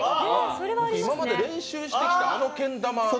今まで練習してきたあのけん玉